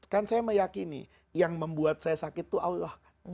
kan saya meyakini yang membuat saya sakit itu allah kan